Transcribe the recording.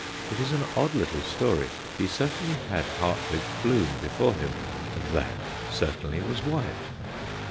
It is an odd little story. He certainly had Hartweg's bloom before him, and that certainly was white.